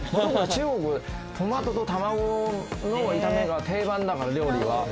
中国はトマトと卵の炒めが定番だから、料理は。